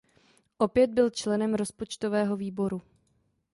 Opět byl členem rozpočtového výboru.